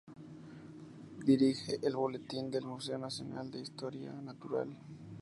Dirige el "Boletín del Museo Nacional de Historia Natural".